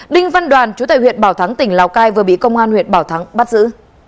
đinh văn đoàn chủ tệ huyện bảo thắng tỉnh lào cai vừa bị công an huyện bảo thắng bắt giữ